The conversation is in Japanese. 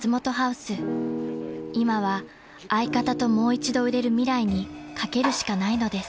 ［今は相方ともう一度売れる未来に懸けるしかないのです］